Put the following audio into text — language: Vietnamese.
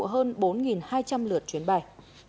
hơn bốn hai trăm linh lượt chuyến bay